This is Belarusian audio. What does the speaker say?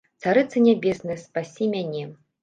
Царыца нябесная, спасі мяне!